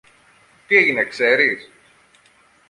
Τι έγινε, ξέρεις;